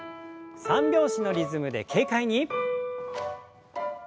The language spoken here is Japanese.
三拍子のリズムで軽快に。